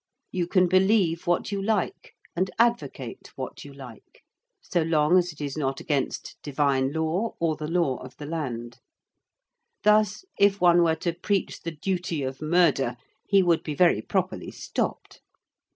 You can believe what you like and advocate what you like, so long as it is not against Divine Law or the Law of the Land. Thus, if one were to preach the duty of Murder he would be very properly stopped.